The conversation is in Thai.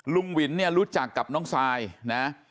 ลุงวินเนี่ยรู้จักกับน้องซายนะ